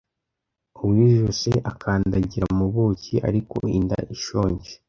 Uwijuse akandagira mu buki ariko inda ishonje